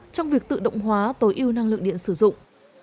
trong việc tự động hóa tối ưu năng lượng điện sử dụng